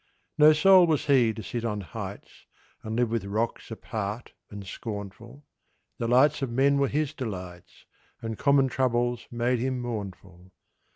No soul was he to sit on heights And live with rocks apart and scornful: Delights of men were his delights, And common troubles made him mournful.